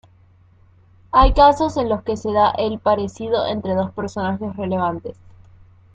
Hay casos en los que se da el parecido entre dos personajes relevantes.